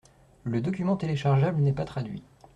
Le document téléchargeable n’est pas traduit.